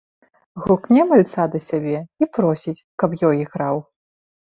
Гукне мальца да сябе і просіць, каб ёй іграў.